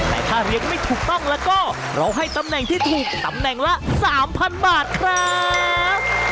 แต่ถ้าเลี้ยงไม่ถูกต้องแล้วก็เราให้ตำแหน่งที่ถูกตำแหน่งละ๓๐๐บาทครับ